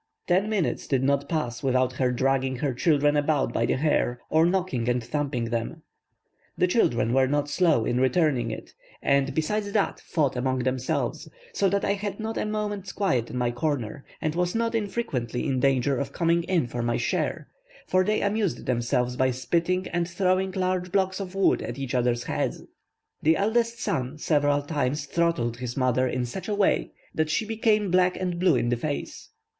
Ten minutes did not pass without her dragging her children about by the hair, or kicking and thumping them. The children were not slow in returning it; and, besides that, fought among themselves; so that I had not a moment's quiet in my corner, and was not unfrequently in danger of coming in for my share, for they amused themselves by spitting and throwing large blocks of wood at each other's heads. The eldest son several times throttled his mother in such a way that she became black and blue in the face.